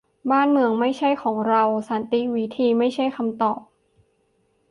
บ้านเมืองไม่ใช่ของเรา : สันติวิธี ไม่ใช่คำตอบ